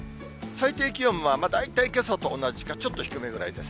最低気温は大体けさと同じか、ちょっと低めぐらいです。